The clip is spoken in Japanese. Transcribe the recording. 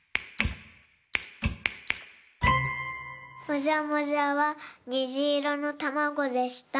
もじゃもじゃはにじいろのたまごでした。